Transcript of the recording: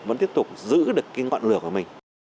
vẫn tiếp tục giữ được ngọn lửa của mình